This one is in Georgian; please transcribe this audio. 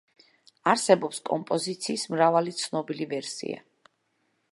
არსებობს კომპოზიციის მრავალი ცნობილი ვერსია.